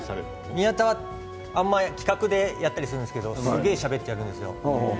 宮田は企画でやったりするんですけどすごくしゃべったりするんですよ。